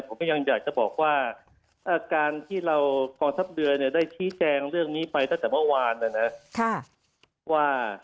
ผมก็ยังอยากจะบอกว่าการที่เรากองทัพเรือได้ชี้แจงเรื่องนี้ไปตั้งแต่เมื่อวานนะครับว่า